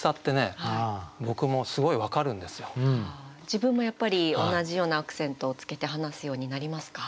自分もやっぱり同じようなアクセントをつけて話すようになりますか？